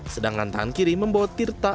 sedangkan tangan kiri membawa tirta